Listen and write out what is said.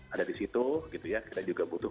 ada di situ kita juga butuh